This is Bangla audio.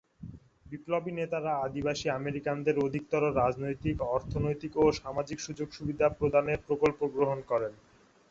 বিপ্লবী নেতারা আদিবাসী আমেরিকানদের অধিকতর রাজনৈতিক, অর্থনৈতিক ও সামাজিক সুযোগ সুবিধা প্রদানের প্রকল্প গ্রহণ করেন।